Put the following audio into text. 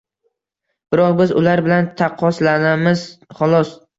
Biroq, biz ular bilan taqqoslanamiz, xolos